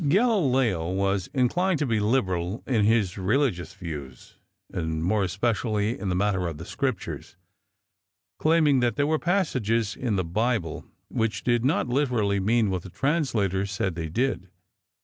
Galileo was inclined to be liberal in his religious views, and more especially in the matter of the scriptures, claiming that there were passages in the bible which did not literally mean what the translator said they did.